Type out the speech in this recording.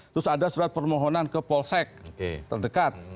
terus ada surat permohonan ke polsek terdekat